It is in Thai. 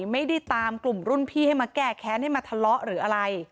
ไม่ได้ตามกลุ่มรุ่นพี่ให้มาแก้แค้นให้มาทะเลาะหรืออะไร